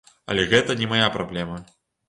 Але гэта не мая праблема.